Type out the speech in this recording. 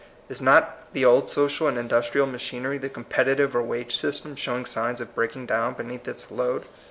Is not the old social and industrial machinery, the competitive or wage system, showing signs of breaking down beneath its load?